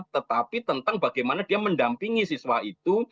tetapi tentang bagaimana dia mendampingi siswa itu